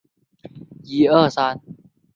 首先焊接工人不小心让火花引燃周围环境。